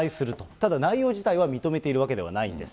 ただ、内容自体は認めているわけではないんです。